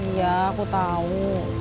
iya aku tahu